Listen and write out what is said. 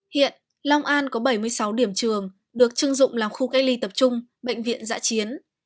hiện long an có bảy mươi sáu điểm trường được chưng dụng là khu cây ly tập trung bệnh viện dạ chiến